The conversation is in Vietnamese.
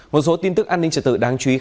một số tin tức an ninh trật tự